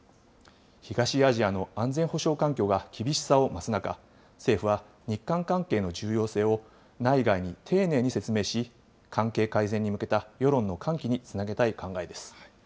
東アジアの安全保障環境が厳しさを増す中、政府は日韓関係の重要性を内外に丁寧に説明し、関係改善に向けた世論の喚起につなげたい考えです。